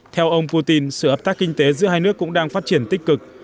theo ông putin sự hợp tác kinh tế giữa hai nước cũng đang phát triển tích cực